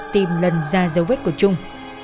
tìm lần ra dấu vết của trung